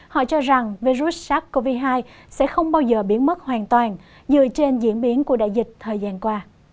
họ cho rằng virus sars cov hai sẽ không bao giờ biến mất hoàn toàn dựa trên diễn biến của đại dịch thời gian qua